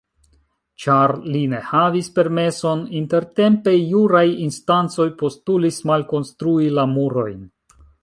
Ĉar li ne havis permeson, intertempe juraj instancoj postulis malkonstrui la murojn.